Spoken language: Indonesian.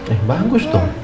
eh bagus dong